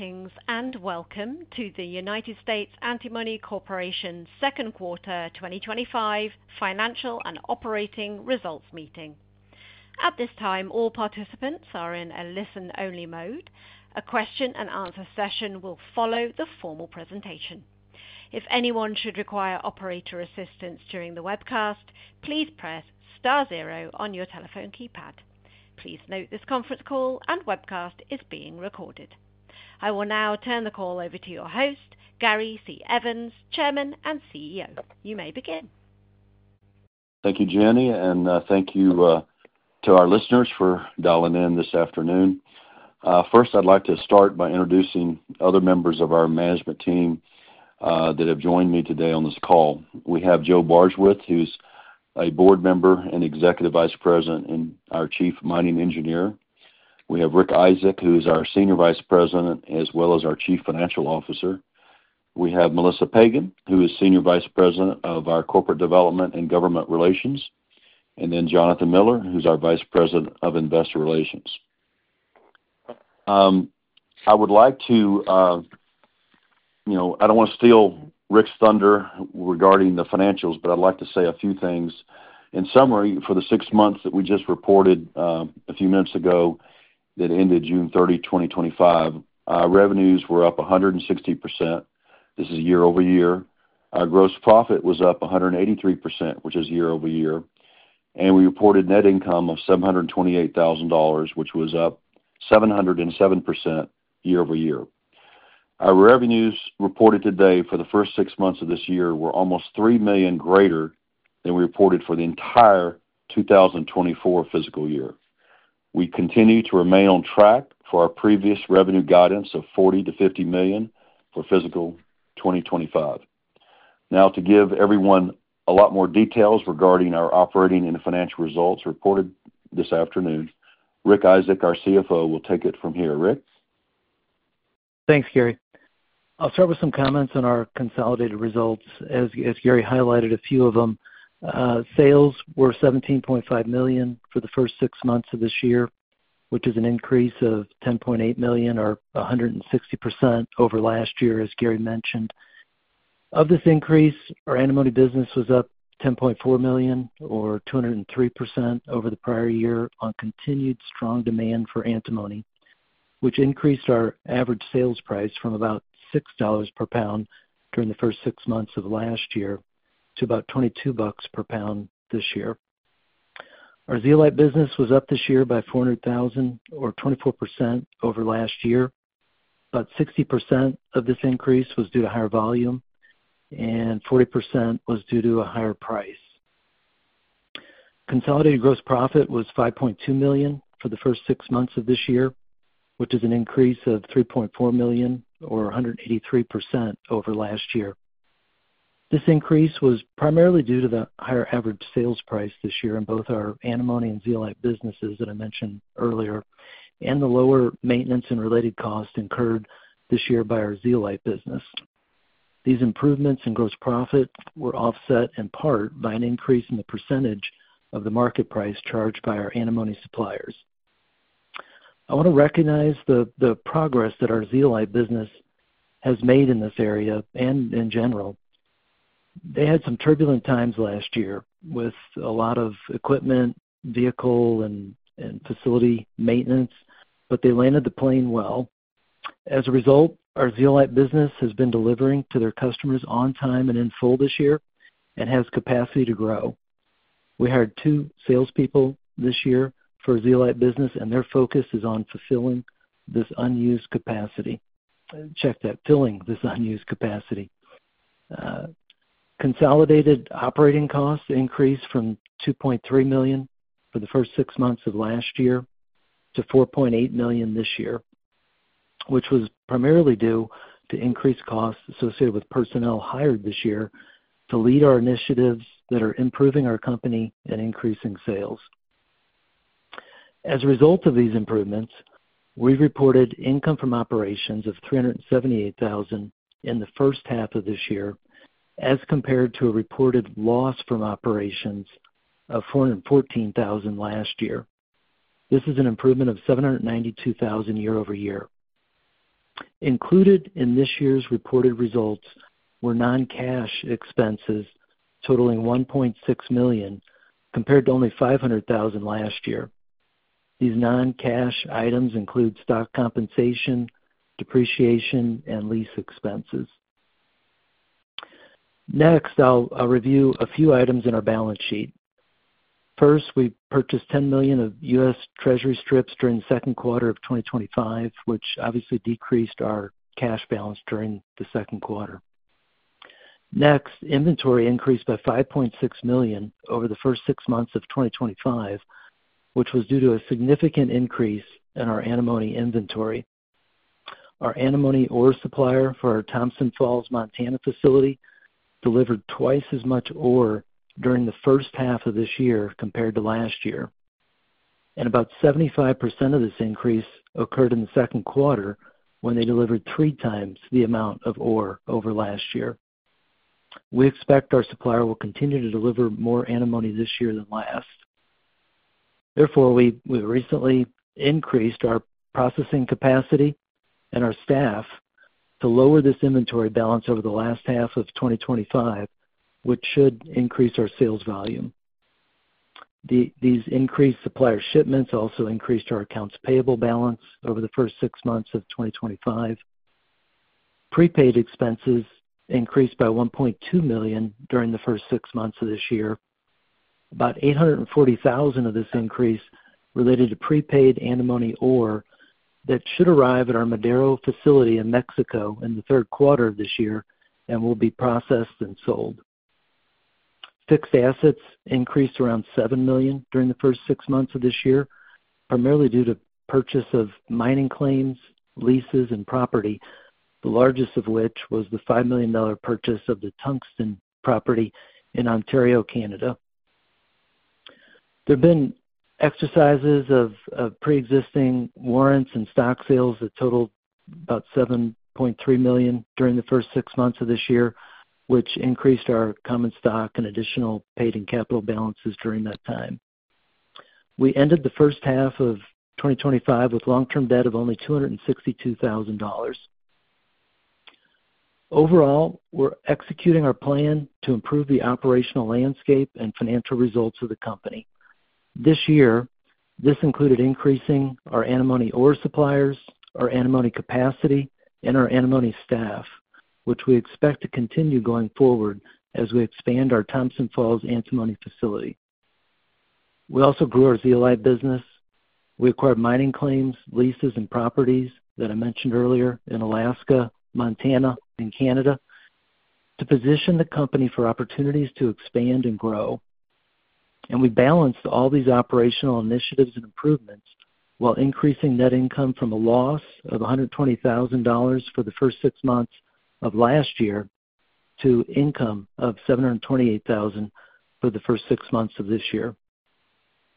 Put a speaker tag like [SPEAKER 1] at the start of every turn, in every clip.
[SPEAKER 1] Meetings and welcome to the United States Antimony Corporation's Second Quarter 2025 Financial and Operating Results Meeting. At this time, all participants are in a listen-only mode. A question and answer session will follow the formal presentation. If anyone should require operator assistance during the webcast, please press star zero on your telephone keypad. Please note this conference call and webcast is being recorded. I will now turn the call over to your host, Gary C. Evans, Chairman and CEO. You may begin.
[SPEAKER 2] Thank you, Janie, and thank you to our listeners for dialing in this afternoon. First, I'd like to start by introducing other members of our management team that have joined me today on this call. We have Joe Bardswich, who's a Board Member and Executive Vice President and our Chief Mining Engineer. We have Rick Isaak, who is our Senior Vice President, as well as our Chief Financial Officer. We have Melissa Pagen, who is Senior Vice President of our Corporate Development and Government Relations, and then Jonathan Miller, who's our Vice President of Investor Relations. I would like to, I don't want to steal Rick's thunder regarding the financials, but I'd like to say a few things. In summary, for the six months that we just reported a few minutes ago that ended June 30, 2025, revenues were up 160%. This is year-over-year. Gross profit was up 183%, which is year-over-year. We reported net income of $728,000, which was up 707% year-over-year. Our revenues reported today for the first six months of this year were almost $3 million greater than we reported for the entire 2024 fiscal year. We continue to remain on track for our previous revenue guidance of $40-$50 million for fiscal 2025. Now, to give everyone a lot more details regarding our operating and financial results reported this afternoon, Rick Isaak, our CFO, will take it from here. Rick?
[SPEAKER 3] Thanks, Gary. I'll start with some comments on our consolidated results. As Gary highlighted, a few of them. Sales were $17.5 million for the first six months of this year, which is an increase of $10.8 million or 160% over last year, as Gary mentioned. Of this increase, our antimony business was up $10.4 million or 203% over the prior year on continued strong demand for antimony, which increased our average sales price from about $6 per pound during the first six months of last year to about $22 per pound this year. Our zeolite business was up this year by $400,000 or 24% over last year. About 60% of this increase was due to higher volume, and 40% was due to a higher price. Consolidated gross profit was $5.2 million for the first six months of this year, which is an increase of $3.4 million or 183% over last year. This increase was primarily due to the higher average sales price this year in both our antimony and zeolite businesses that I mentioned earlier, and the lower maintenance and related costs incurred this year by our zeolite business. These improvements in gross profit were offset in part by an increase in the percentage of the market price charged by our antimony suppliers. I want to recognize the progress that our zeolite business has made in this area and in general. They had some turbulent times last year with a lot of equipment, vehicle, and facility maintenance, but they landed the plane well. As a result, our zeolite business has been delivering to their customers on time and in full this year and has capacity to grow. We hired two salespeople this year for the zeolite business, and their focus is on filling this unused capacity. Consolidated operating costs increased from $2.3 million for the first six months of last year to $4.8 million this year, which was primarily due to increased costs associated with personnel hired this year to lead our initiatives that are improving our company and increasing sales. As a result of these improvements, we've reported income from operations of $378,000 in the first half of this year as compared to a reported loss from operations of $414,000 last year. This is an improvement of $792,000 year-over-year. Included in this year's reported results were non-cash expenses totaling $1.6 million compared to only $500,000 last year. These non-cash items include stock compensation, depreciation, and lease expenses. Next, I'll review a few items in our balance sheet. First, we purchased $10 million of U.S. Treasury strips during the second quarter of 2025, which obviously decreased our cash balance during the second quarter. Next, inventory increased by $5.6 million over the first six months of 2025, which was due to a significant increase in our antimony inventory. Our antimony ore supplier for our Thompson Falls, Montana facility delivered twice as much ore during the first half of this year compared to last year. About 75% of this increase occurred in the second quarter when they delivered 3x the amount of ore over last year. We expect our supplier will continue to deliver more antimony this year than last. Therefore, we recently increased our processing capacity and our staff to lower this inventory balance over the last half of 2025, which should increase our sales volume. These increased supplier shipments also increased our accounts payable balance over the first six months of 2025. Prepaid expenses increased by $1.2 million during the first six months of this year. About $840,000 of this increase related to prepaid antimony ore that should arrive at our Madero facility in Mexico in the third quarter of this year and will be processed and sold. Fixed assets increased around $7 million during the first six months of this year, primarily due to purchase of mining claims, leases, and property, the largest of which was the $5 million purchase of the tungsten property in Ontario, Canada. There have been exercises of pre-existing warrants and stock sales that totaled about $7.3 million during the first six months of this year, which increased our common stock and additional paid-in-capital balances during that time. We ended the first half of 2025 with long-term debt of only $262,000. Overall, we're executing our plan to improve the operational landscape and financial results of the company. This year, this included increasing our antimony ore suppliers, our antimony capacity, and our antimony staff, which we expect to continue going forward as we expand our Thompson Falls antimony facility. We also grew our zeolite business. We acquired mining claims, leases, and properties that I mentioned earlier in Alaska, Montana, and Canada to position the company for opportunities to expand and grow. We balanced all these operational initiatives and improvements while increasing net income from a loss of $120,000 for the first six months of last year to an income of $728,000 for the first six months of this year.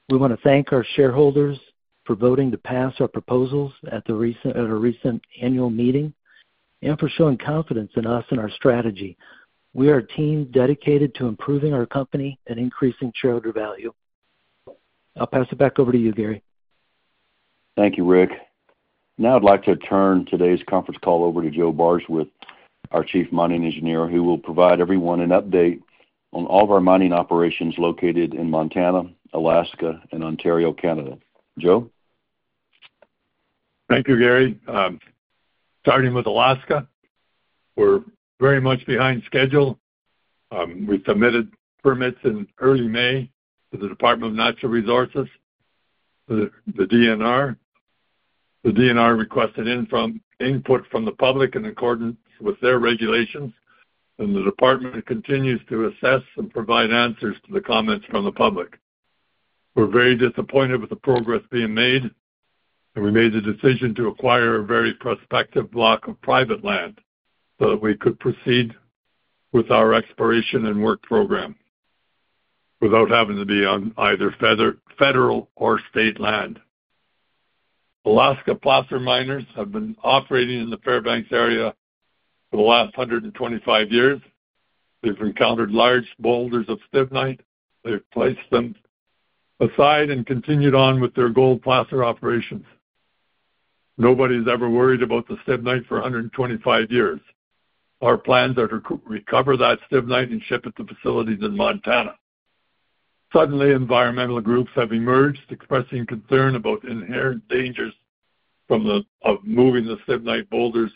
[SPEAKER 3] We want to thank our shareholders for voting to pass our proposals at our recent annual meeting and for showing confidence in us and our strategy. We are a team dedicated to improving our company and increasing shareholder value. I'll pass it back over to you, Gary.
[SPEAKER 2] Thank you, Rick. Now I'd like to turn today's conference call over to Joe Bardswich, our Chief Mining Engineer, who will provide everyone an update on all of our mining operations located in Montana, Alaska, and Ontario, Canada. Joe?
[SPEAKER 4] Thank you, Gary. Starting with Alaska, we're very much behind schedule. We submitted permits in early May to the Department of Natural Resources, the DNR. The DNR requested input from the public in accordance with their regulations, and the department continues to assess and provide answers to the comments from the public. We're very disappointed with the progress being made, and we made the decision to acquire a very prospective block of private land so that we could proceed with our exploration and work program without having to be on either federal or state land. Alaska placer miners have been operating in the Fairbanks area for the last 125 years. They've encountered large boulders of stibnite. They've placed them aside and continued on with their gold placer operations. Nobody's ever worried about the stibnite for 125 years. Our plans are to recover that stibnite and ship it to facilities in Montana. Suddenly, environmental groups have emerged, expressing concern about inherent dangers from moving the stibnite boulders,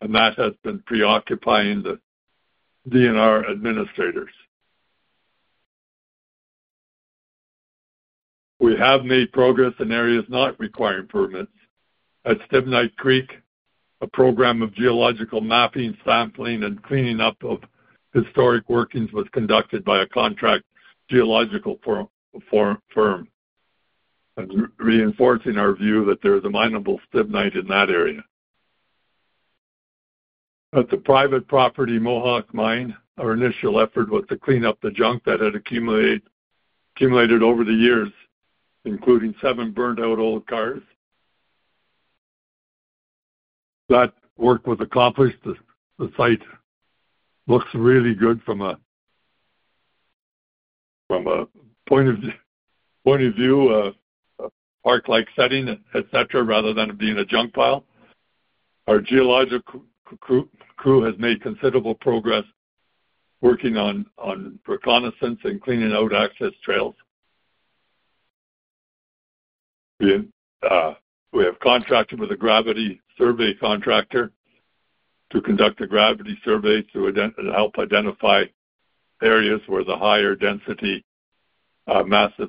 [SPEAKER 4] and that has been preoccupying the DNR administrators. We have made progress in areas not requiring permits. At Stibnite Creek, a program of geological mapping, sampling, and cleaning up of historic workings was conducted by a contract geological firm and reinforcing our view that there is a minable stibnite in that area. At the private property Mohawk Mine, our initial effort was to clean up the junk that had accumulated over the years, including seven burned-out old cars. That work was accomplished. The site looks really good from a point of view, a park-like setting, etc., rather than it being a junk pile. Our geologic crew has made considerable progress working on reconnaissance and cleaning out access trails. We have contracted with a gravity survey contractor to conduct a gravity survey to help identify areas where the higher density massive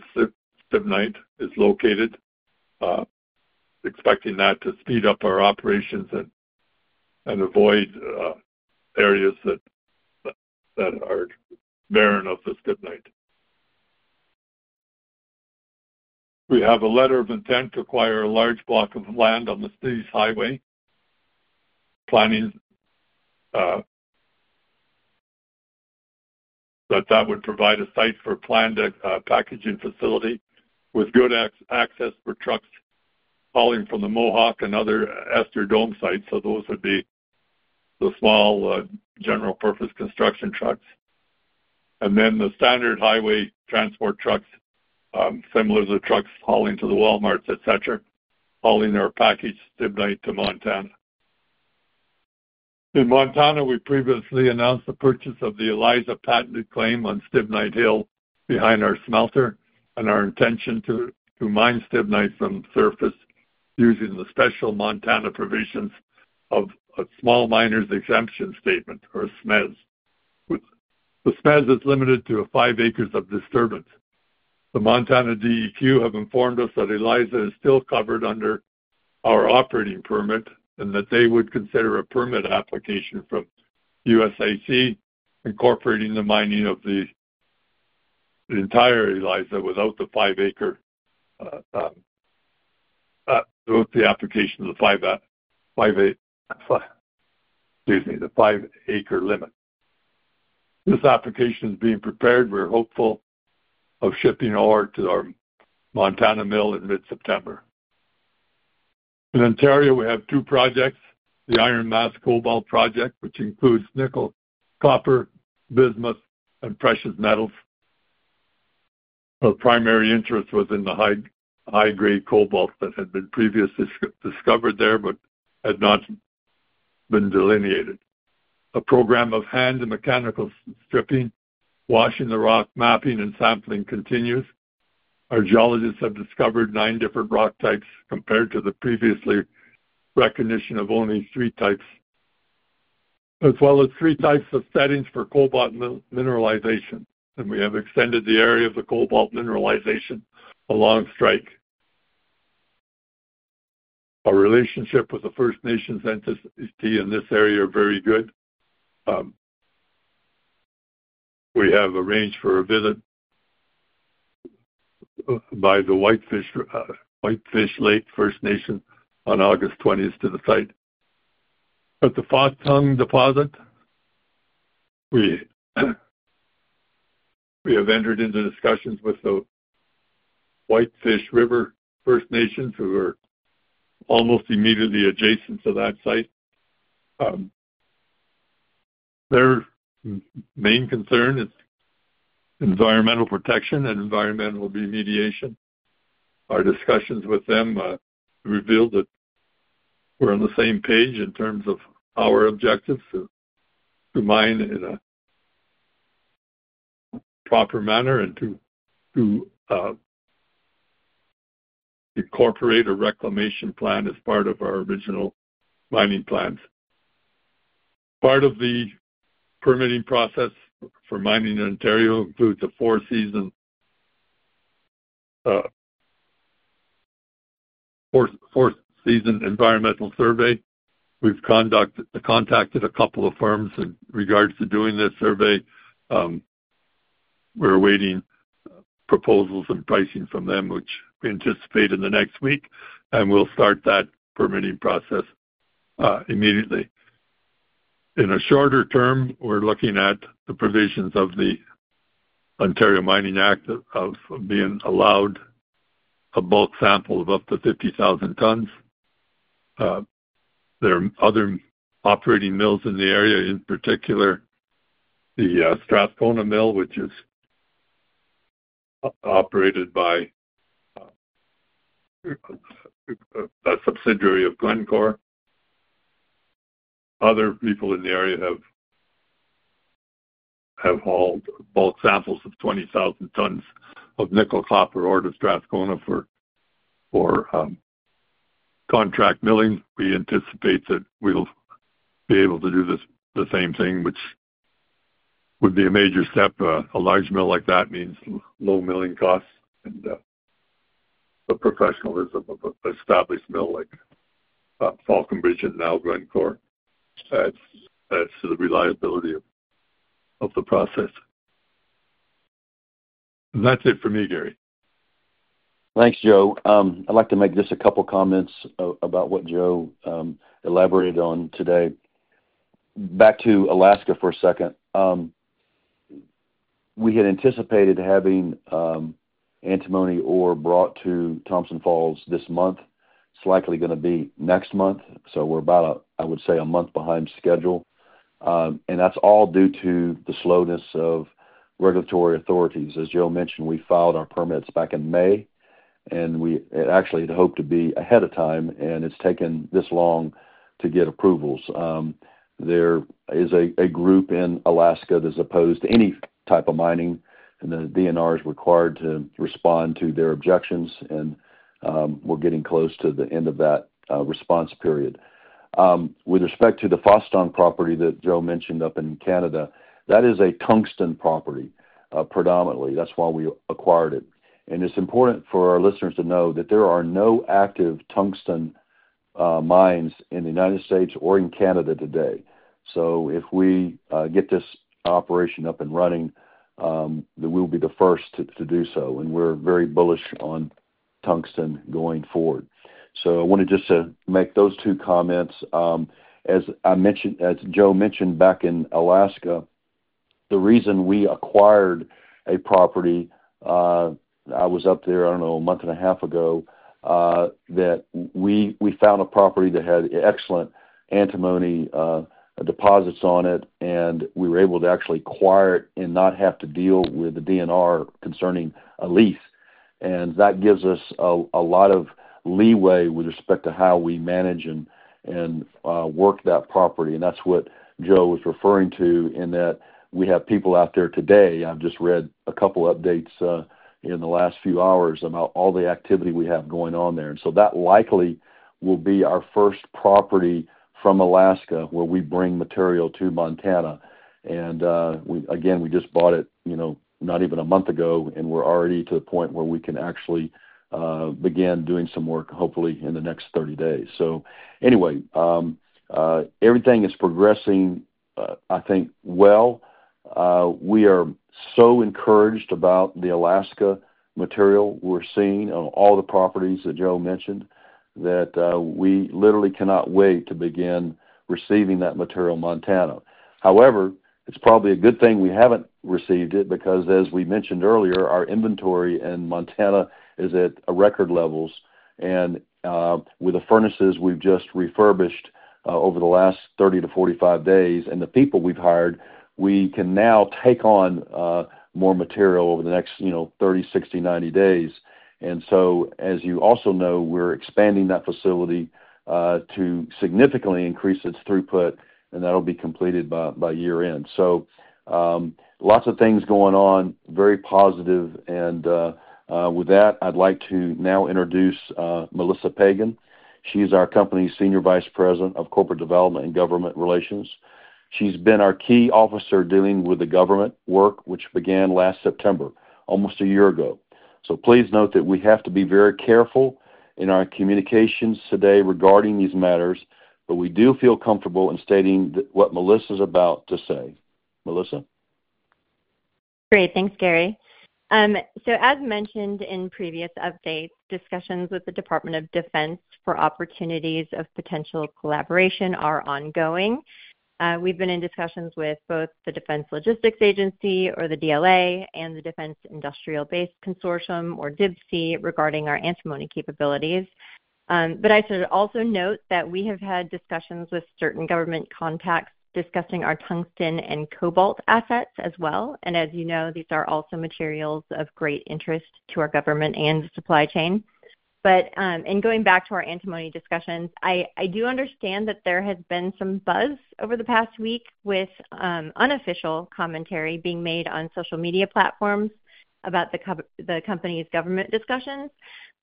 [SPEAKER 4] stibnite is located, expecting that to speed up our operations and avoid areas that are barren of the stibnite. We have a letter of intent to acquire a large block of land on the city's highway, planning that that would provide a site for a planned packaging facility with good access for trucks hauling from the Mohawk and other Esther Dome sites. Those would be the small general-purpose construction trucks. The standard highway transport trucks, similar to the trucks hauling to the Walmarts, etc., hauling our packaged stibnite to Montana. In Montana, we previously announced the purchase of the Eliza patented claim on Stibnite Hill behind our smelter and our intention to mine stibnite from the surface using the special Montana provisions of a small miner's exemption statement, or SMEZ. The SMEZ is limited to five acres of disturbance. The Montana DEQ have informed us that Eliza is still covered under our operating permit and that they would consider a permit application from USAC incorporating the mining of the entire Eliza without the five-acre limit. This application is being prepared. We're hopeful of shipping ore to our Montana mill in mid-September. In Ontario, we have two projects, the Iron Mass Cobalt Project, which includes nickel, copper, bismuth, and precious metals. Our primary interest was in the high-grade cobalt that had been previously discovered there but had not been delineated. A program of hand and mechanical stripping, washing the rock, mapping, and sampling continues. Our geologists have discovered nine different rock types compared to the previous recognition of only three types, as well as three types of settings for cobalt mineralization. We have extended the area of the cobalt mineralization along strike. Our relationship with the First Nations entity in this area is very good. We have arranged for a visit by the Whitefish Lake First Nation on August 20th to the site. At the Fosstown deposit, we have entered into discussions with the Whitefish River First Nation, who are almost immediately adjacent to that site. Their main concern is environmental protection and environmental remediation. Our discussions with them reveal that we're on the same page in terms of our objectives to mine in a proper manner and to incorporate a reclamation plan as part of our original mining plans. Part of the permitting process for mining in Ontario includes a four-season environmental survey. We've contacted a couple of firms in regards to doing this survey. We're awaiting proposals and pricing from them, which we anticipate in the next week, and we'll start that permitting process immediately. In a shorter term, we're looking at the provisions of the Ontario Mining Act of being allowed a bulk sample of up to 50,000 tons. There are other operating mills in the area, in particular the Strathcona Mill, which is operated by a subsidiary of Glencore. Other people in the area have hauled bulk samples of 20,000 tons of nickel, copper, ore to Strathcona Mill for contract milling. We anticipate that we'll be able to do the same thing, which would be a major step. A large mill like that means low milling costs. A professional establishment like Falconbridge and now Glencore adds to the reliability of the process. That's it for me, Gary.
[SPEAKER 2] Thanks, Joe. I'd like to make just a couple of comments about what Joe elaborated on today. Back to Alaska for a second. We had anticipated having antimony ore brought to Thompson Falls this month. It's likely going to be next month. We're about, I would say, a month behind schedule. That's all due to the slowness of regulatory authorities. As Joe mentioned, we filed our permits back in May, and we actually had hoped to be ahead of time, and it's taken this long to get approvals. There is a group in Alaska that is opposed to any type of mining, and the DNR is required to respond to their objections. We're getting close to the end of that response period. With respect to the Fostung property that Joe mentioned up in Canada, that is a tungsten property, predominantly. That's why we acquired it. It's important for our listeners to know that there are no active tungsten mines in the United States or in Canada today. If we get this operation up and running, we'll be the first to do so. We're very bullish on tungsten going forward. I wanted just to make those two comments. As I mentioned, as Joe mentioned back in Alaska, the reason we acquired a property, I was up there, I don't know, a month and a half ago, that we found a property that had excellent antimony deposits on it, and we were able to actually acquire it and not have to deal with the DNR concerning a lease. That gives us a lot of leeway with respect to how we manage and work that property. That's what Joe was referring to in that we have people out there today. I've just read a couple of updates in the last few hours about all the activity we have going on there. That likely will be our first property from Alaska where we bring material to Montana. We just bought it, you know, not even a month ago, and we're already to the point where we can actually begin doing some work, hopefully, in the next 30 days. Anyway, everything is progressing, I think, well. We are so encouraged about the Alaska material we're seeing on all the properties that Joe mentioned that we literally cannot wait to begin receiving that material in Montana. However, it's probably a good thing we haven't received it because, as we mentioned earlier, our inventory in Montana is at record levels. With the furnaces we've just refurbished over the last 30 days-45 days and the people we've hired, we can now take on more material over the next, you know, 30, 60, 90 days. As you also know, we're expanding that facility to significantly increase its throughput, and that'll be completed by year-end. Lots of things going on, very positive. With that, I'd like to now introduce Melissa Pagen. She is our company's Senior Vice President of Corporate Development and Government Relations. She's been our key officer dealing with the government work, which began last September, almost a year ago. Please note that we have to be very careful in our communications today regarding these matters, but we do feel comfortable in stating what Melissa is about to say. Melissa?
[SPEAKER 5] Great. Thanks, Gary. As mentioned in previous updates, discussions with the Department of Defense for opportunities of potential collaboration are ongoing. We've been in discussions with both the Defense Logistics Agency, or the DLA, and the Defense Industrial Base Consortium, or DIBC, regarding our antimony capabilities. I should also note that we have had discussions with certain government contacts discussing our tungsten and cobalt assets as well. As you know, these are also materials of great interest to our government and supply chain. In going back to our antimony discussions, I do understand that there has been some buzz over the past week with unofficial commentary being made on social media platforms about the company's government discussions.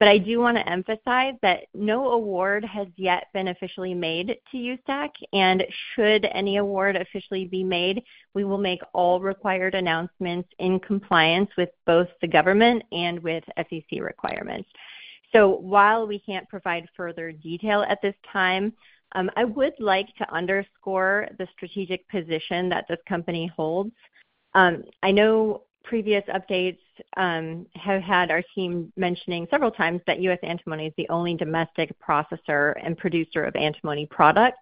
[SPEAKER 5] I do want to emphasize that no award has yet been officially made to USAC. Should any award officially be made, we will make all required announcements in compliance with both the government and with FEC requirements. While we can't provide further detail at this time, I would like to underscore the strategic position that this company holds. I know previous updates have had our team mentioning several times that United States Antimony is the only domestic processor and producer of antimony products.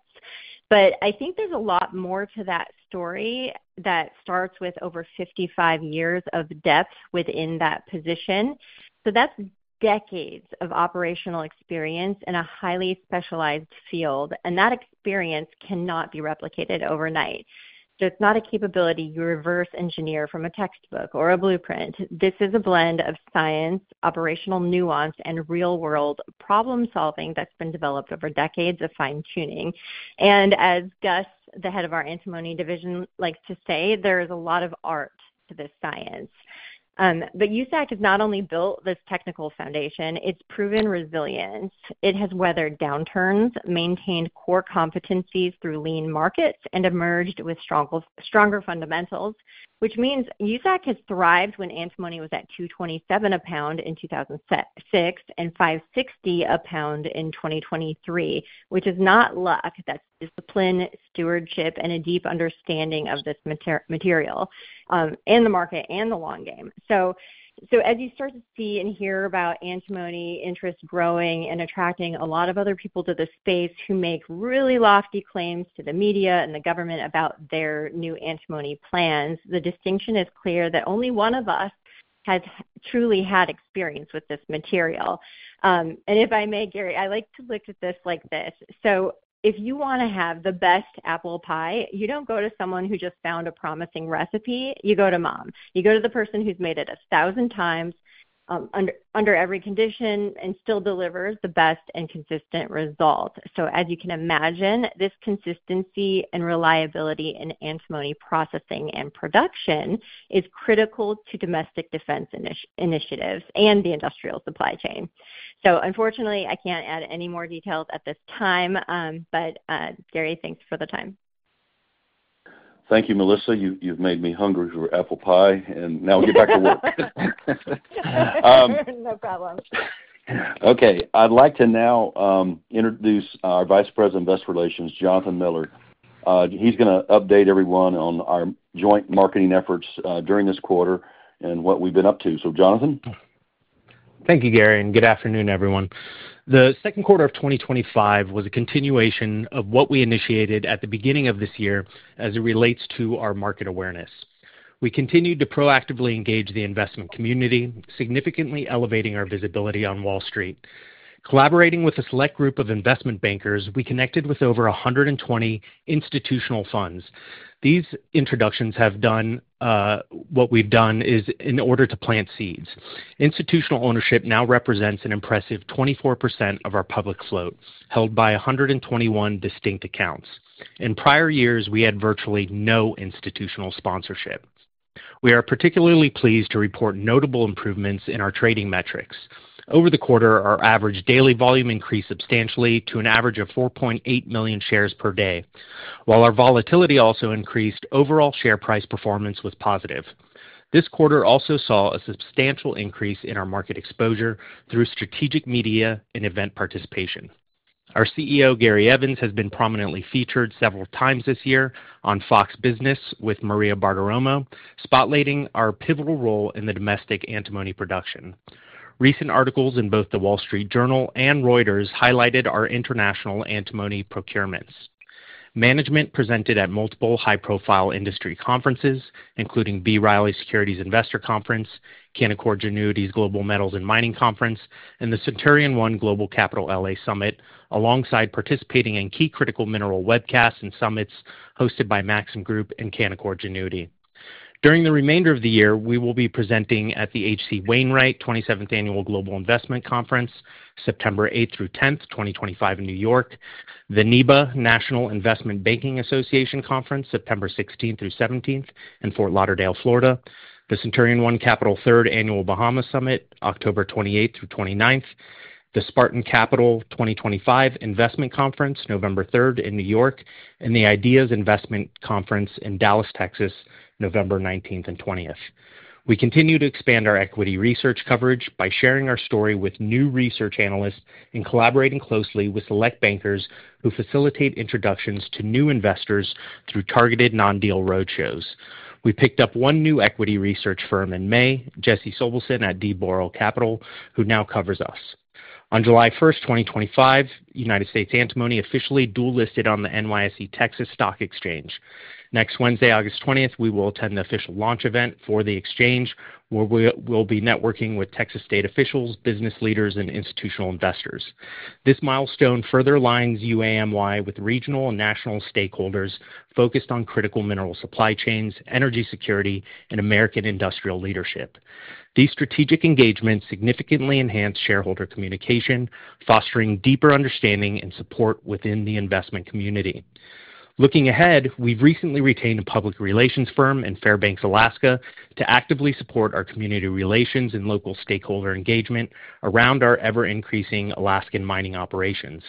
[SPEAKER 5] I think there's a lot more to that story that starts with over 55 years of depth within that position. That's decades of operational experience in a highly specialized field, and that experience cannot be replicated overnight. It's not a capability you reverse engineer from a textbook or a blueprint. This is a blend of science, operational nuance, and real-world problem-solving that's been developed over decades of fine-tuning. As Gus, the head of our antimony division, likes to say, there is a lot of art to this science. USAC has not only built this technical foundation, it's proven resilient. It has weathered downturns, maintained core competencies through lean markets, and emerged with stronger fundamentals, which means USAC has thrived when antimony was at $227 a pound in 2006 and $560 a pound in 2023, which is not luck. That's discipline, stewardship, and a deep understanding of this material, the market, and the long game. As you start to see and hear about antimony interest growing and attracting a lot of other people to this space who make really lofty claims to the media and the government about their new antimony plans, the distinction is clear that only one of us has truly had experience with this material. If I may, Gary, I like to look at this like this. If you want to have the best apple pie, you don't go to someone who just found a promising recipe. You go to Mom. You go to the person who's made it a thousand times, under every condition and still delivers the best and consistent result. As you can imagine, this consistency and reliability in antimony processing and production is critical to domestic defense initiatives and the industrial supply chain. Unfortunately, I can't add any more details at this time. Gary, thanks for the time.
[SPEAKER 2] Thank you, Melissa. You've made me hungry for apple pie, and now we'll get back to work.
[SPEAKER 5] No problem.
[SPEAKER 2] Okay. I'd like to now introduce our Vice President of Investor Relations, Jonathan Miller. He's going to update everyone on our joint marketing efforts during this quarter and what we've been up to. Jonathan?
[SPEAKER 6] Thank you, Gary, and good afternoon, everyone. The second quarter of 2025 was a continuation of what we initiated at the beginning of this year as it relates to our market awareness. We continued to proactively engage the investment community, significantly elevating our visibility on Wall Street. Collaborating with a select group of investment bankers, we connected with over 120 institutional funds. These introductions have done what we've done in order to plant seeds. Institutional ownership now represents an impressive 24% of our public float, held by 121 distinct accounts. In prior years, we had virtually no institutional sponsorship. We are particularly pleased to report notable improvements in our trading metrics. Over the quarter, our average daily volume increased substantially to an average of 4.8 million shares per day. While our volatility also increased, overall share price performance was positive. This quarter also saw a substantial increase in our market exposure through strategic media and event participation. Our CEO, Gary Evans, has been prominently featured several times this year on Fox Business with Maria Bartiromo, spotlighting our pivotal role in the domestic antimony production. Recent articles in both the Wall Street Journal and Reuters highlighted our international antimony procurements. Management presented at multiple high-profile industry conferences, including B. Riley Securities Investor Conference, Canaccord's Annuities Global Metals and Mining Conference, and the Saturian One Global Capital LA Summit, alongside participating in key critical mineral webcasts and summits hosted by Max & Group and Canaccord's Annuity. During the remainder of the year, we will be presenting at the H.C. Wainwright 27th Annual Global Investment Conference, September 8th through 10th, 2025 in New York, the NIBA National Investment Banking Association Conference, September 16th through 17th, in Fort Lauderdale, Florida, the Centurion One Capital 3rd Annual Bahamas Summit, October 28th through 29th, the Spartan Capital 2025 Investment Conference, November 3rd in New York, and the IDEAS Investment Conference in Dallas, Texas, November 19th and 20th. We continue to expand our equity research coverage by sharing our story with new research analysts and collaborating closely with select bankers who facilitate introductions to new investors through targeted non-deal roadshows. We picked up one new equity research firm in May, Jesse Sobelson at D. Borrell Capital, who now covers us. On July 1st 2025, United States Antimony Corporation officially dual-listed on the Texas Stock Exchange. Next Wednesday, August 20th, we will attend the official launch event for the exchange, where we will be networking with Texas state officials, business leaders, and institutional investors. This milestone further aligns UAM Live with regional and national stakeholders focused on critical mineral supply chains, energy security, and American industrial leadership. These strategic engagements significantly enhance shareholder communication, fostering deeper understanding and support within the investment community. Looking ahead, we've recently retained a public relations firm in Fairbanks, Alaska, to actively support our community relations and local stakeholder engagement around our ever-increasing Alaskan mining operations.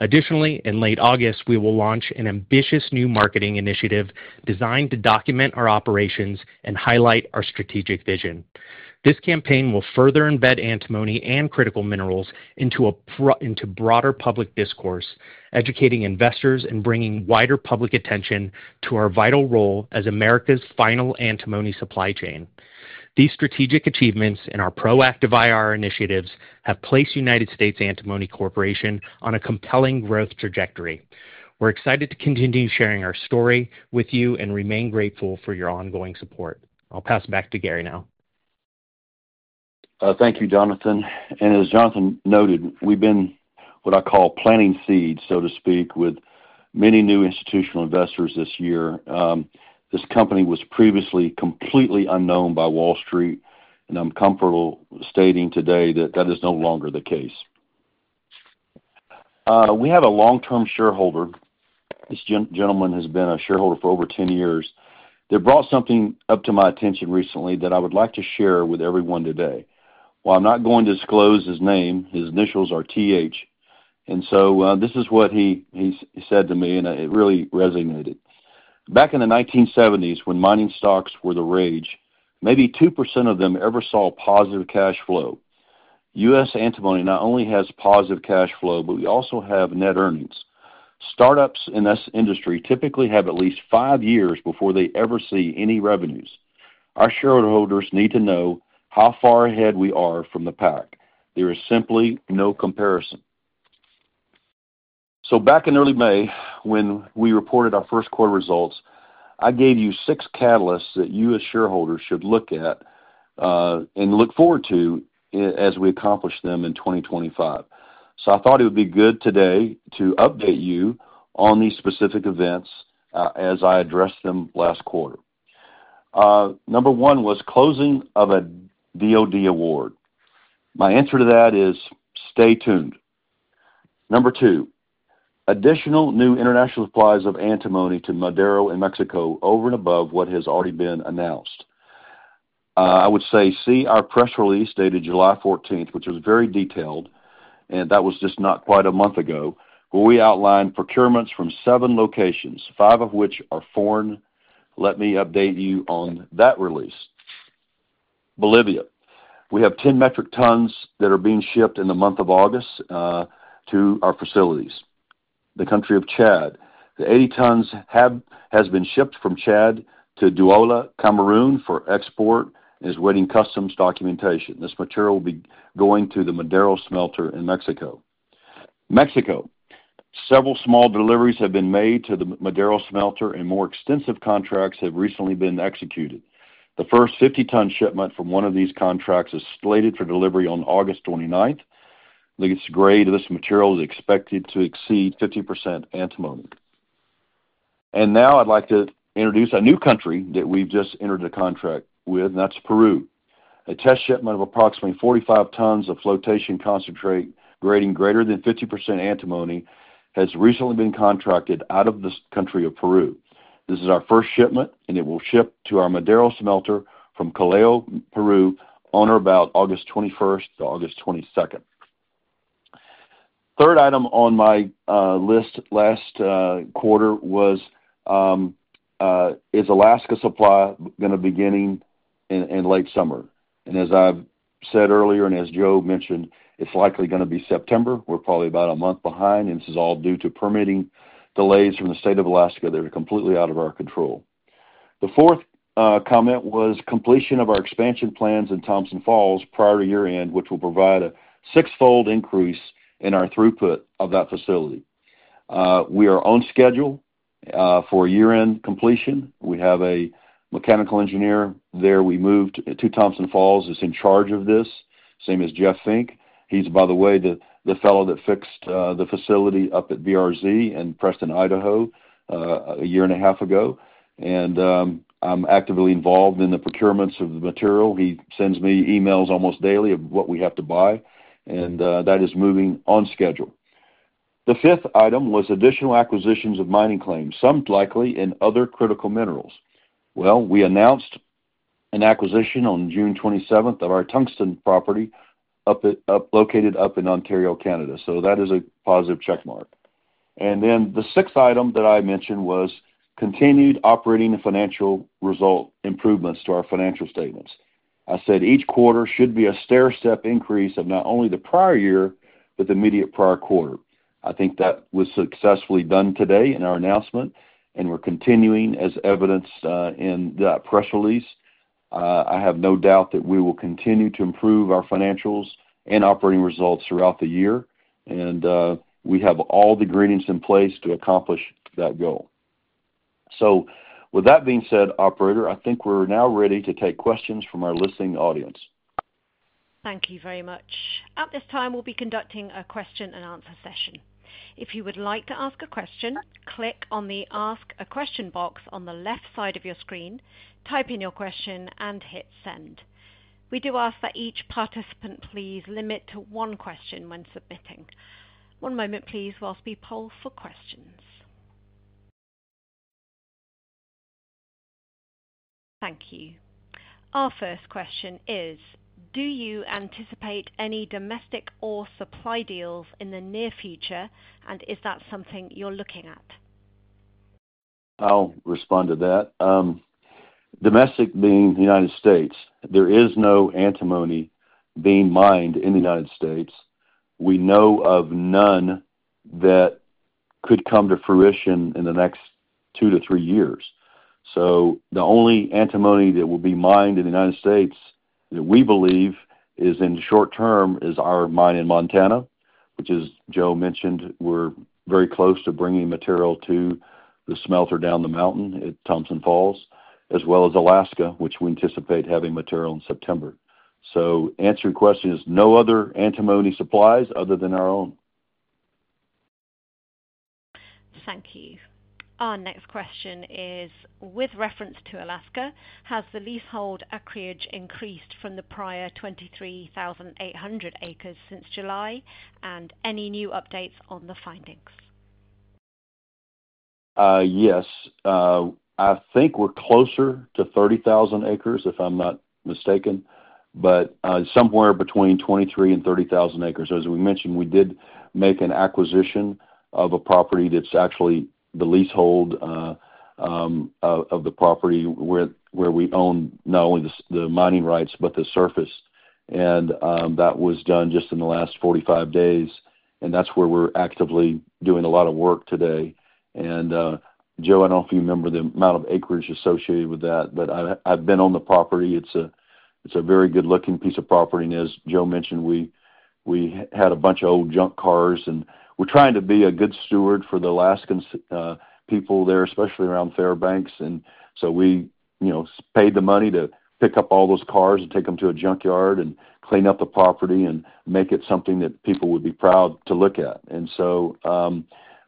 [SPEAKER 6] Additionally, in late August, we will launch an ambitious new marketing initiative designed to document our operations and highlight our strategic vision. This campaign will further embed antimony and critical minerals into broader public discourse, educating investors and bringing wider public attention to our vital role as America's final antimony supply chain. These strategic achievements and our proactive IR initiatives have placed United States Antimony Corporation on a compelling growth trajectory. We're excited to continue sharing our story with you and remain grateful for your ongoing support. I'll pass back to Gary now.
[SPEAKER 2] Thank you, Jonathan. As Jonathan noted, we've been what I call planting seeds, so to speak, with many new institutional investors this year. This company was previously completely unknown by Wall Street, and I'm comfortable stating today that that is no longer the case. We have a long-term shareholder. This gentleman has been a shareholder for over 10 years. They brought something up to my attention recently that I would like to share with everyone today. While I'm not going to disclose his name, his initials are TH. This is what he said to me, and it really resonated. Back in the 1970s, when mining stocks were the rage, maybe 2% of them ever saw positive cash flow. United States Antimony not only has positive cash flow, but we also have net earnings. Startups in this industry typically have at least five years before they ever see any revenues. Our shareholders need to know how far ahead we are from the pack. There is simply no comparison. Back in early May, when we reported our first quarter results, I gave you six catalysts that you as shareholders should look at and look forward to as we accomplish them in 2025. I thought it would be good today to update you on these specific events as I addressed them last quarter. Number one was closing of a U.S. DOD award. My answer to that is stay tuned. Number two, additional new international supplies of antimony to Madero in Mexico over and above what has already been announced. I would say see our press release dated July 14th, which was very detailed, and that was just not quite a month ago, where we outlined procurements from seven locations, five of which are foreign. Let me update you on that release. Bolivia. We have 10 metric tons that are being shipped in the month of August to our facilities. The country of Chad. The 80 tons have been shipped from Chad to Douala, Cameroon for export and is awaiting customs documentation. This material will be going to the Madero smelter in Mexico. Mexico. Several small deliveries have been made to the Madero smelter, and more extensive contracts have recently been executed. The first 50-ton shipment from one of these contracts is slated for delivery on August 29th. The grade of this material is expected to exceed 50% antimony. I'd like to introduce a new country that we've just entered a contract with, and that's Peru. A test shipment of approximately 45 tons of flotation concentrate grading greater than 50% antimony has recently been contracted out of the country of Peru. This is our first shipment, and it will ship to our Madero smelter from Callao, Peru, on or about August 21st to August 22nd. Third item on my list last quarter was, is Alaska supply going to be beginning in late summer? As I've said earlier, and as Joe mentioned, it's likely going to be September. We're probably about a month behind, and this is all due to permitting delays from the state of Alaska that are completely out of our control. The fourth comment was completion of our expansion plans in Thompson Falls prior to year-end, which will provide a six-fold increase in our throughput of that facility. We are on schedule for a year-end completion. We have a Mechanical Engineer there we moved to Thompson Falls who's in charge of this, same as Jeff Fink. He's, by the way, the fellow that fixed the facility up at BRZ in Preston, Idaho, a year and a half ago. I'm actively involved in the procurements of the material. He sends me emails almost daily of what we have to buy, and that is moving on schedule. The fifth item was additional acquisitions of mining claims, some likely in other critical minerals. We announced an acquisition on June 27th of our tungsten property located up in Ontario, Canada. That is a positive checkmark. The sixth item that I mentioned was continued operating financial result improvements to our financial statements. I said each quarter should be a stairstep increase of not only the prior year, but the immediate prior quarter. I think that was successfully done today in our announcement, and we're continuing as evidenced in that press release. I have no doubt that we will continue to improve our financials and operating results throughout the year, and we have all the ingredients in place to accomplish that goal. With that being said, operator, I think we're now ready to take questions from our listening audience.
[SPEAKER 1] Thank you very much. At this time, we'll be conducting a question and answer session. If you would like to ask a question, click on the Ask a Question box on the left side of your screen, type in your question, and hit Send. We do ask that each participant please limit to one question when submitting. One moment, please, whilst we poll for questions. Thank you. Our first question is, do you anticipate any domestic or supply deals in the near future, and is that something you're looking at?
[SPEAKER 2] I'll respond to that. Domestic being the United States, there is no antimony being mined in the United States. We know of none that could come to fruition in the next two to three years. The only antimony that will be mined in the United States that we believe is in the short term is our mine in Montana, which, as Joe mentioned, we're very close to bringing material to the smelter down the mountain at Thompson Falls, as well as Alaska, which we anticipate having material in September. The answer to your question is no other antimony supplies other than our own.
[SPEAKER 1] Thank you. Our next question is, with reference to Alaska, has the leasehold acreage increased from the prior 23,800 acres since July, and any new updates on the findings?
[SPEAKER 2] Yes. I think we're closer to 30,000 acres, if I'm not mistaken, but somewhere between 23,000 acres-30,000 acres. As we mentioned, we did make an acquisition of a property that's actually the leasehold of the property where we own not only the mining rights, but the surface. That was done just in the last 45 days. That's where we're actively doing a lot of work today. Joe, I don't know if you remember the amount of acreage associated with that, but I've been on the property. It's a very good-looking piece of property. As Joe mentioned, we had a bunch of old junk cars, and we're trying to be a good steward for the Alaskan people there, especially around Fairbanks. We paid the money to pick up all those cars and take them to a junkyard and clean up the property and make it something that people would be proud to look at.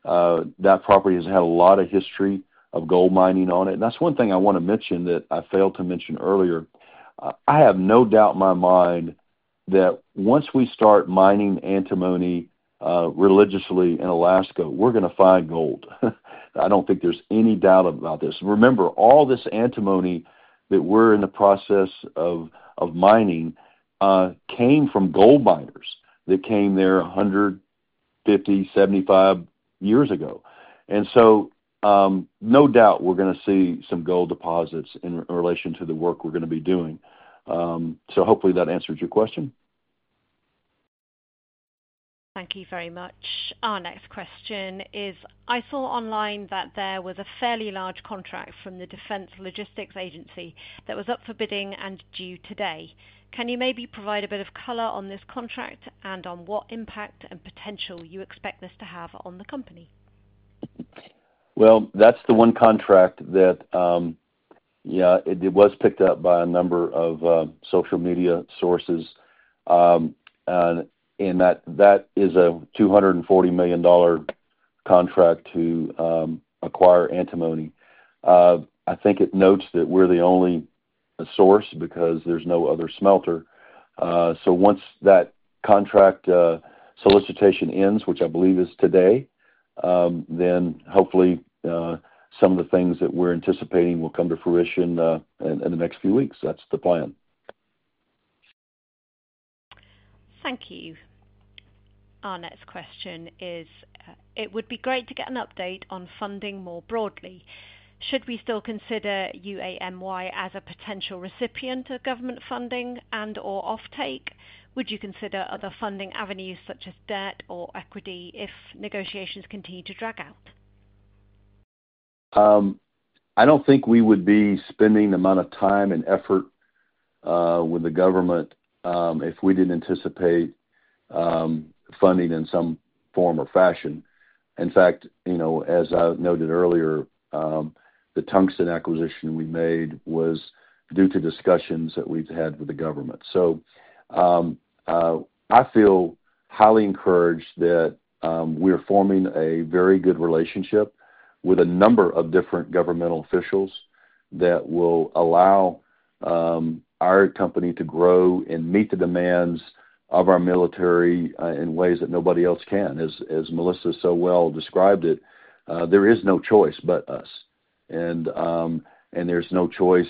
[SPEAKER 2] That property has had a lot of history of gold mining on it. That's one thing I want to mention that I failed to mention earlier. I have no doubt in my mind that once we start mining antimony religiously in Alaska, we're going to find gold. I don't think there's any doubt about this. Remember, all this antimony that we're in the process of mining came from gold miners that came there 150, 175 years ago. No doubt we're going to see some gold deposits in relation to the work we're going to be doing. Hopefully that answers your question.
[SPEAKER 1] Thank you very much. Our next question is, I saw online that there was a fairly large contract from the Defense Logistics Agency that was up for bidding and due today. Can you maybe provide a bit of color on this contract and on what impact and potential you expect this to have on the company?
[SPEAKER 2] That's the one contract that, yeah, it was picked up by a number of social media sources. That is a $240 million contract to acquire antimony. I think it notes that we're the only source because there's no other smelter. Once that contract solicitation ends, which I believe is today, hopefully some of the things that we're anticipating will come to fruition in the next few weeks. That's the plan.
[SPEAKER 1] Thank you. Our next question is, it would be great to get an update on funding more broadly. Should we still consider UAMY as a potential recipient of government funding and/or offtake? Would you consider other funding avenues such as debt or equity if negotiations continue to drag out?
[SPEAKER 2] I don't think we would be spending the amount of time and effort with the government if we didn't anticipate funding in some form or fashion. In fact, as I noted earlier, the tungsten acquisition we made was due to discussions that we've had with the government. I feel highly encouraged that we're forming a very good relationship with a number of different governmental officials that will allow our company to grow and meet the demands of our military in ways that nobody else can. As Melissa so well described it, there is no choice but us. There's no choice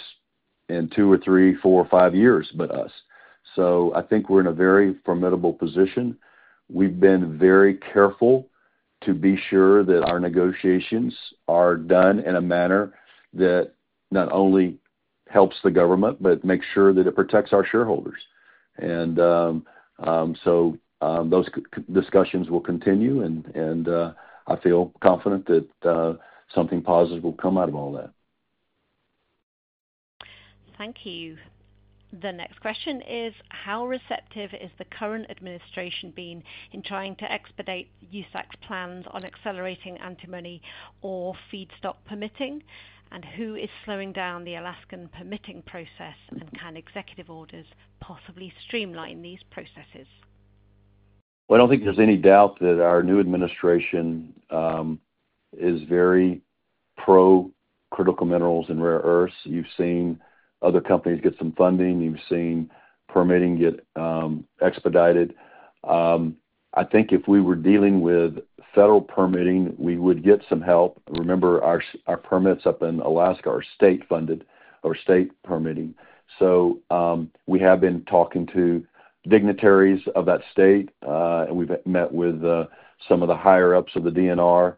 [SPEAKER 2] in two or three, four, or five years, but us. I think we're in a very formidable position. We've been very careful to be sure that our negotiations are done in a manner that not only helps the government, but makes sure that it protects our shareholders. Those discussions will continue, and I feel confident that something positive will come out of all that.
[SPEAKER 1] Thank you. The next question is, how receptive has the current administration been in trying to expedite USAC's plans on accelerating antimony or feedstock permitting, and who is slowing down the Alaskan permitting process, and can executive orders possibly streamline these processes?
[SPEAKER 2] I don't think there's any doubt that our new administration is very pro-critical minerals and rare earths. You've seen other companies get some funding. You've seen permitting get expedited. I think if we were dealing with federal permitting, we would get some help. Remember, our permits up in Alaska are state-funded or state permitting. We have been talking to dignitaries of that state. We've met with some of the higher-ups of the DNR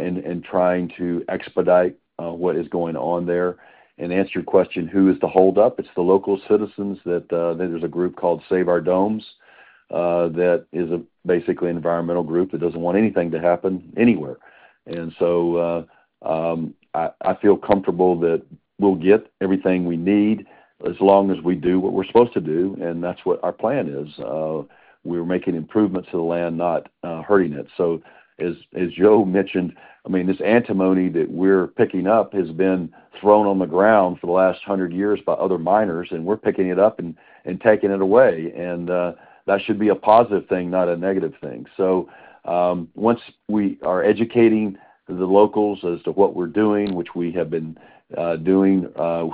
[SPEAKER 2] in trying to expedite what is going on there. To answer your question, who is the hold-up? It's the local citizens. There's a group called Save Our Domes that is basically an environmental group that doesn't want anything to happen anywhere. I feel comfortable that we'll get everything we need as long as we do what we're supposed to do, and that's what our plan is. We're making improvements to the land, not hurting it. As Joe mentioned, this antimony that we're picking up has been thrown on the ground for the last 100 years by other miners, and we're picking it up and taking it away. That should be a positive thing, not a negative thing. Once we are educating the locals as to what we're doing, which we have been doing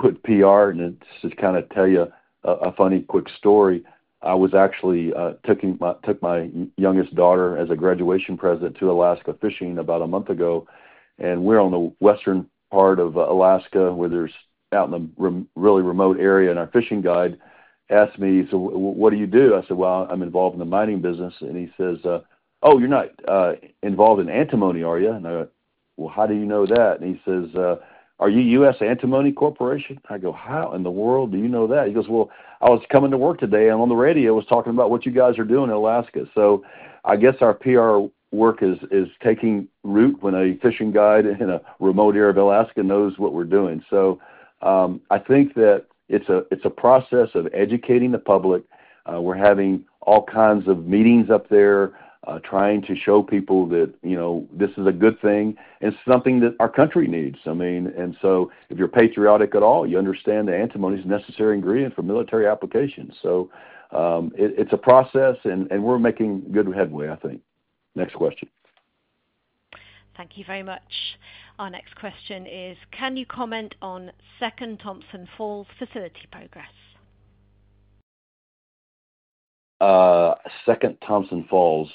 [SPEAKER 2] with PR, this is kind of a funny quick story. I was actually taking my youngest daughter as a graduation present to Alaska fishing about a month ago. We were on the western part of Alaska, out in a really remote area, and our fishing guide asked me, "So what do you do?" I said, "I'm involved in the mining business." He says, "Oh, you're not involved in antimony, are you?" I go, "How do you know that?" He says, "Are you United States Antimony Corporation?" I go, "How in the world do you know that?" He goes, "I was coming to work today. I'm on the radio. I was talking about what you guys are doing in Alaska." I guess our PR work is taking root when a fishing guide in a remote area of Alaska knows what we're doing. I think that it's a process of educating the public. We're having all kinds of meetings up there, trying to show people that this is a good thing. It's something that our country needs. If you're patriotic at all, you understand that antimony is a necessary ingredient for military applications. It's a process, and we're making good headway, I think. Next question.
[SPEAKER 1] Thank you very much. Our next question is, can you comment on second Thompson Falls facility progress?
[SPEAKER 2] Second, Thompson Falls,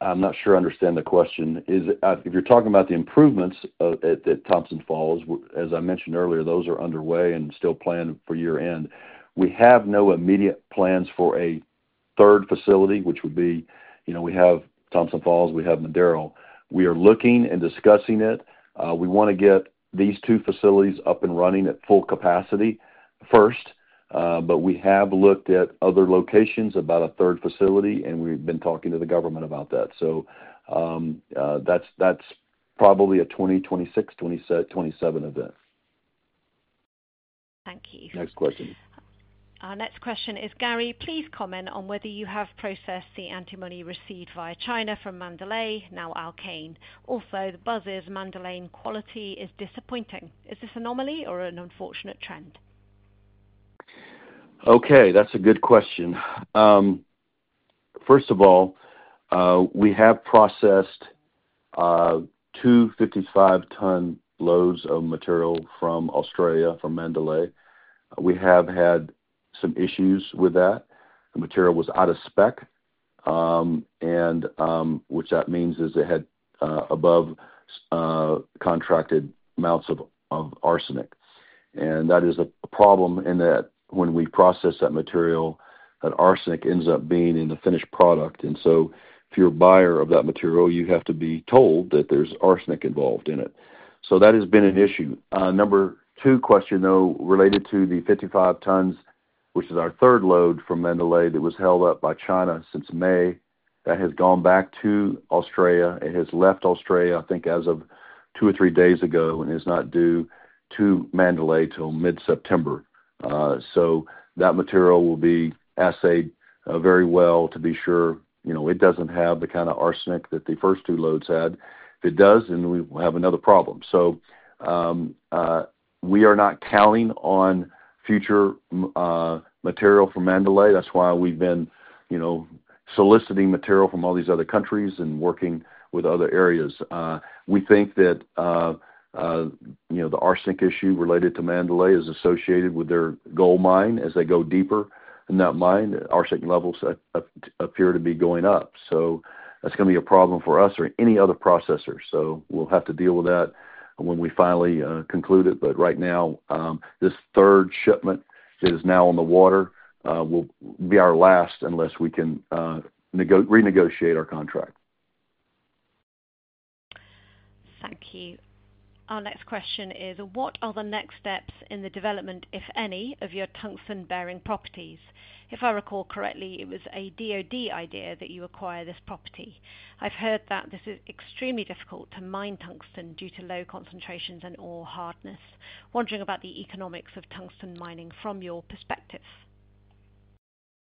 [SPEAKER 2] I'm not sure I understand the question. If you're talking about the improvements at Thompson Falls, as I mentioned earlier, those are underway and still planned for year-end. We have no immediate plans for a third facility, which would be, you know, we have Thompson Falls, we have Madero. We are looking and discussing it. We want to get these two facilities up and running at full capacity first. We have looked at other locations about a third facility, and we've been talking to the government about that. That's probably a 2026-2027 event.
[SPEAKER 1] Thank you.
[SPEAKER 2] Next question.
[SPEAKER 1] Our next question is, Gary, please comment on whether you have processed the antimony received via China from Mandalay, now Alkane. Also, the buzz is Mandalay in quality is disappointing. Is this an anomaly or an unfortunate trend?
[SPEAKER 2] Okay, that's a good question. First of all, we have processed 255-ton loads of material from Australia, from Mandalay. We have had some issues with that. The material was out of spec, which means it had above contracted amounts of arsenic. That is a problem in that when we process that material, that arsenic ends up being in the finished product. If you're a buyer of that material, you have to be told that there's arsenic involved in it. That has been an issue. Number two question, though, related to the 55 tons, which is our third load from Mandalay that was held up by China since May, that has gone back to Australia. It has left Australia, I think, as of two or three days ago and is not due to Mandalay till mid-September. That material will be assayed very well to be sure it doesn't have the kind of arsenic that the first two loads had. If it does, then we will have another problem. We are not counting on future material from Mandalay. That's why we've been soliciting material from all these other countries and working with other areas. We think that the arsenic issue related to Mandalay is associated with their gold mine. As they go deeper in that mine, arsenic levels appear to be going up. That is going to be a problem for us or any other processor. We will have to deal with that when we finally conclude it. Right now, this third shipment that is now on the water will be our last unless we can renegotiate our contract.
[SPEAKER 1] Thank you. Our next question is, what are the next steps in the development, if any, of your tungsten-bearing properties? If I recall correctly, it was a DOD idea that you acquired this property. I've heard that it is extremely difficult to mine tungsten due to low concentrations and ore hardness. Wondering about the economics of tungsten mining from your perspective.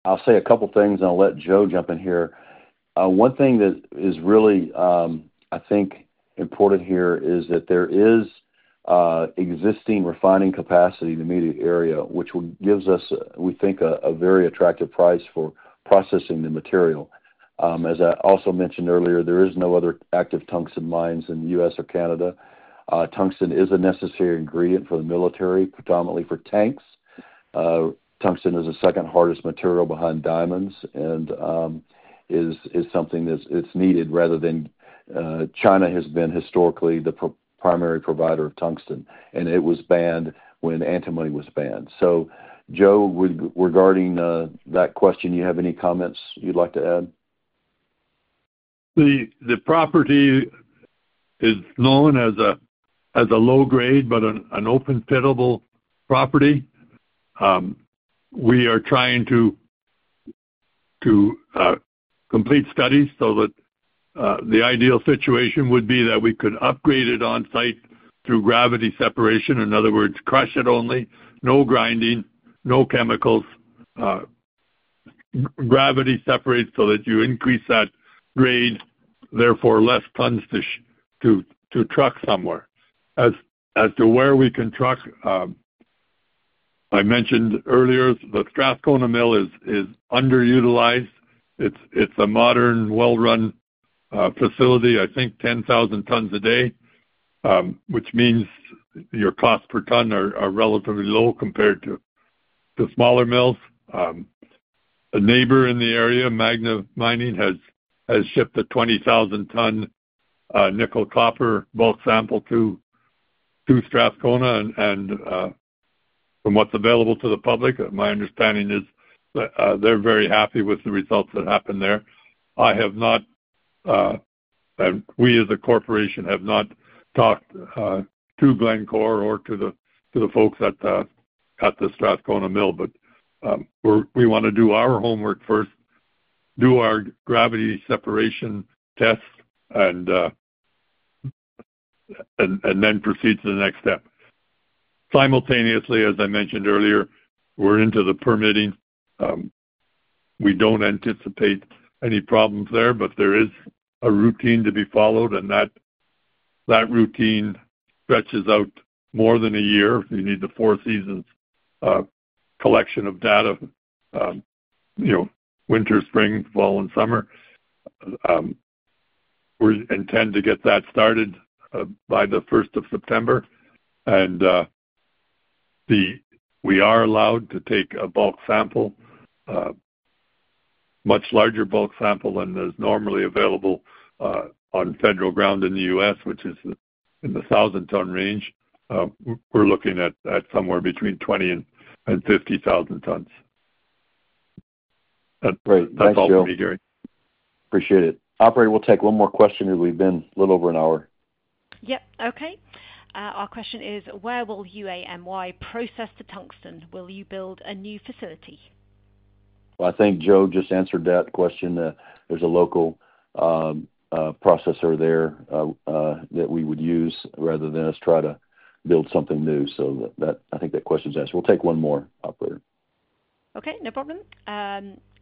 [SPEAKER 2] I'll say a couple of things, and I'll let Joe jump in here. One thing that is really, I think, important here is that there is existing refining capacity in the immediate area, which gives us, we think, a very attractive price for processing the material. As I also mentioned earlier, there are no other active tungsten mines in the U.S. or Canada. Tungsten is a necessary ingredient for the military, predominantly for tanks. Tungsten is the second hardest material behind diamonds and is something that's needed rather than China has been historically the primary provider of tungsten. It was banned when antimony was banned. Joe, regarding that question, do you have any comments you'd like to add?
[SPEAKER 4] The property is known as a low-grade, but an open-pitable property. We are trying to complete studies so that the ideal situation would be that we could upgrade it on-site through gravity separation. In other words, crush it only. No grinding, no chemicals. Gravity separates so that you increase that grade, therefore less tons to truck somewhere. As to where we can truck, I mentioned earlier, the Strathcona Mill is underutilized. It's a modern, well-run facility, I think 10,000 tons a day, which means your costs per ton are relatively low compared to the smaller mills. A neighbor in the area, Magna Mining, has shipped a 20,000-ton nickel-copper bulk sample to Strathcona. From what's available to the public, my understanding is they're very happy with the results that happened there. We as a corporation have not talked to Glencore or to the folks at the Strathcona Mill, but we want to do our homework first, do our gravity separation tests, and then proceed to the next step. Simultaneously, as I mentioned earlier, we're into the permitting. We don't anticipate any problems there, but there is a routine to be followed, and that routine stretches out more than a year. You need the four seasons collection of data, you know, winter, spring, fall, and summer. We intend to get that started by the 1st of September. We are allowed to take a bulk sample, a much larger bulk sample than is normally available on federal ground in the U.S., which is in the 1,000-ton range. We're looking at somewhere between 20,000 and 50,000 tons. That's all for me, Gary.
[SPEAKER 2] Appreciate it. Operator, we'll take one more question as we've been a little over an hour.
[SPEAKER 1] Yep. Okay. Our question is, where will UAMY process the tungsten? Will you build a new facility?
[SPEAKER 2] I think Joe just answered that question. There's a local processor there that we would use rather than us try to build something new. I think that question's answered. We'll take one more, operator.
[SPEAKER 1] Okay. No problem.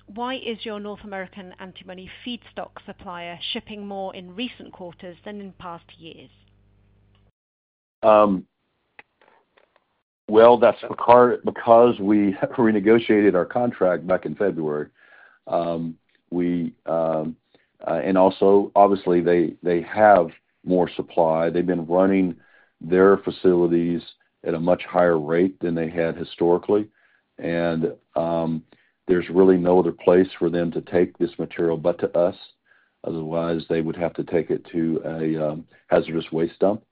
[SPEAKER 1] Why is your North American antimony feedstock supplier shipping more in recent quarters than in past years?
[SPEAKER 2] That is because we renegotiated our contract back in February. Also, obviously, they have more supply. They have been running their facilities at a much higher rate than they had historically, and there is really no other place for them to take this material but to us. Otherwise, they would have to take it to a hazardous waste dump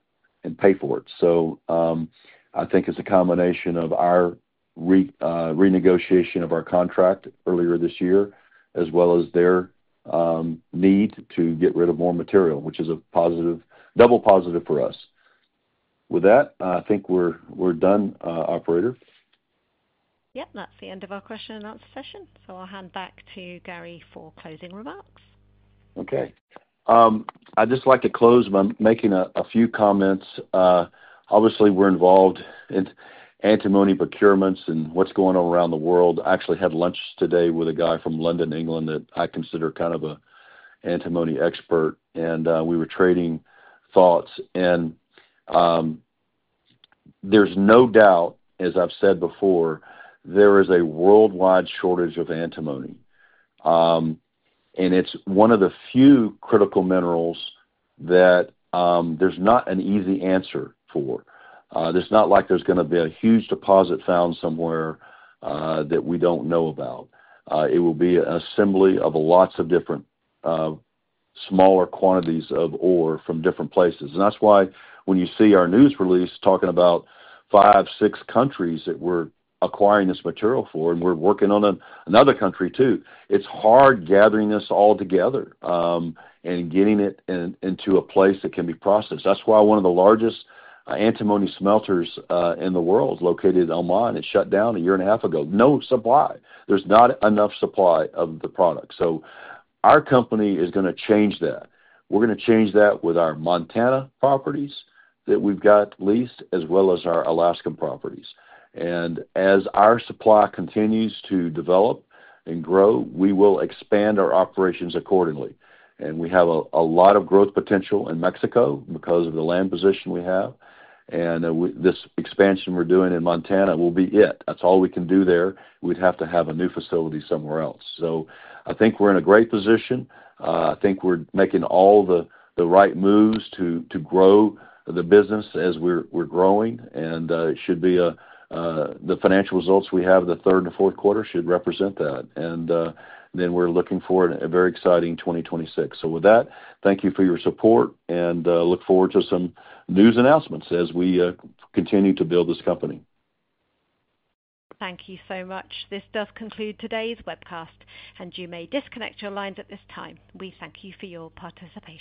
[SPEAKER 2] and pay for it. I think it is a combination of our renegotiation of our contract earlier this year, as well as their need to get rid of more material, which is a positive, double positive for us. With that, I think we are done, operator.
[SPEAKER 1] Yep. That's the end of our question and answer session. I'll hand back to Gary for closing remarks.
[SPEAKER 2] Okay. I'd just like to close by making a few comments. Obviously, we're involved in antimony procurements and what's going on around the world. I actually had lunch today with a guy from London, England, that I consider kind of an antimony expert. We were trading thoughts. There's no doubt, as I've said before, there is a worldwide shortage of antimony. It's one of the few critical minerals that there's not an easy answer for. It's not like there's going to be a huge deposit found somewhere that we don't know about. It will be an assembly of lots of different smaller quantities of ore from different places. That's why when you see our news release talking about five, six countries that we're acquiring this material for, and we're working on another country too, it's hard gathering this all together and getting it into a place that can be processed. That's why one of the largest antimony smelters in the world located online shut down a year and a half ago. No supply. There's not enough supply of the product. Our company is going to change that. We're going to change that with our Montana properties that we've got leased, as well as our Alaskan properties. As our supply continues to develop and grow, we will expand our operations accordingly. We have a lot of growth potential in Mexico because of the land position we have. This expansion we're doing in Montana will be it. That's all we can do there. We'd have to have a new facility somewhere else. I think we're in a great position. I think we're making all the right moves to grow the business as we're growing. The financial results we have the third and fourth quarter should represent that. We're looking for a very exciting 2026. With that, thank you for your support and look forward to some news announcements as we continue to build this company.
[SPEAKER 1] Thank you so much. This does conclude today's webcast, and you may disconnect your lines at this time. We thank you for your participation.